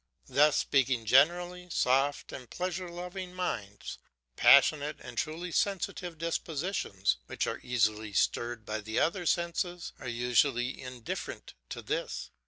Thus, speaking generally, soft and pleasure loving minds, passionate and truly sensitive dispositions, which are easily stirred by the other senses, are usually indifferent to this.